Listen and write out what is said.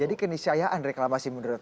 jadi kenisayaan reklamasi menurut